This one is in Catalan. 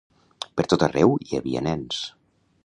Per tot arreu hi havia nens.